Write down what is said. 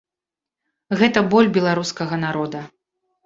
Гэта боль беларускага народа.